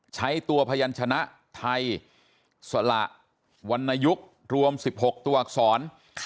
ใช้ตัวพยันชนะไทยสละวรรณยุครวม๑๖ตัวอักษร